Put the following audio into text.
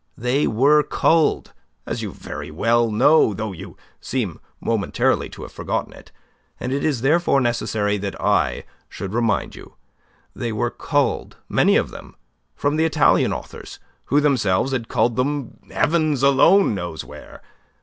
They were culled, as you very well know though you seem momentarily to have forgotten it, and it is therefore necessary that I should remind you they were culled, many of them, from the Italian authors, who themselves had culled them Heaven alone knows where.